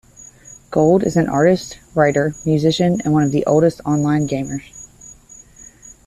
Gold is an artist, writer, musician and one of the oldest online gamers.